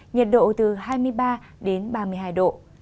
nhiệt độ từ hai mươi ba đến ba mươi hai độ